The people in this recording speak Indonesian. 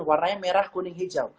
warnanya merah guning hijau